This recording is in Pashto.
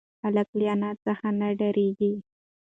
هلک له انا څخه نه ډارېږي.